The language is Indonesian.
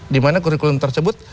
dimana kurikulum tersebut